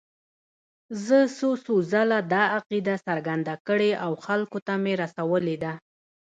زه څو څو ځله دا عقیده څرګنده کړې او خلکو ته مې رسولې ده.